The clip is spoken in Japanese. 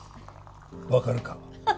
分かるか？